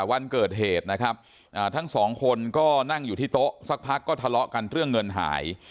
วันเกิดเหตุนะครับทั้งสองคนก็นั่งอยู่ที่โต๊ะสักพักก็ทะเลาะกันเรื่องเงินหาย